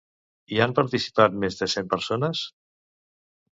Hi han participat més de cent persones?